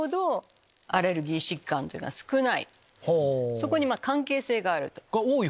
そこに関係性があると。